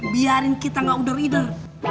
biarin kita gak udar udar